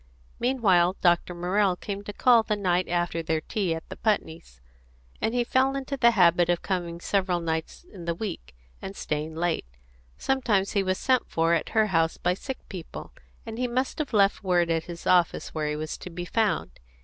Meanwhile Dr. Morrell came to call the night after their tea at the Putneys', and he fell into the habit of coming several nights in the week, and staying late. Sometimes he was sent for at her house by sick people, and he must have left word at his office where he was to be found.